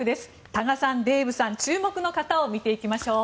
多賀さん、デーブさん注目の方を見ていきましょう。